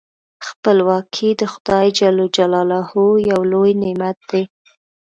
خپلواکي د خدای جل جلاله یو لوی نعمت دی.